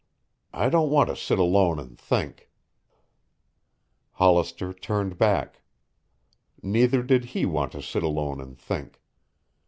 I don't want to sit alone and think." Hollister turned back. Neither did he want to sit alone and think.